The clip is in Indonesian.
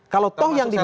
kalau tahu yang diminta